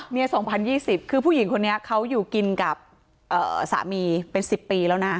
๒๐๒๐คือผู้หญิงคนนี้เขาอยู่กินกับสามีเป็น๑๐ปีแล้วนะ